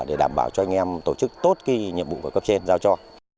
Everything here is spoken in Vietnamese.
để đảm bảo cho anh em tổ chức tốt khi nhiệm vụ của cấp trên giao cho